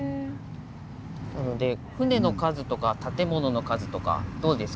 船の数とか建物の数とかどうですか？